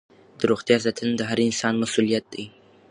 د روغتیا ساتنه د هر انسان مسؤلیت دی.